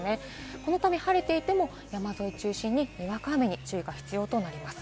このため晴れていても山沿いを中心ににわか雨に注意が必要となります。